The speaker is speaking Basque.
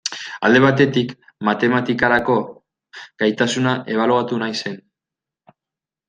Alde batetik, matematikarako gaitasuna ebaluatu nahi zen.